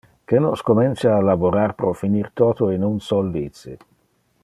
Que nos comencia a laborar pro finir toto in un sol vice.